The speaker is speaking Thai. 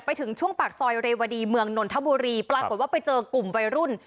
ไปถึงช่วงปากซอยเรวดีเมืองนนทบุรีปรากฏว่าไปเจอกลุ่มวัยรุ่น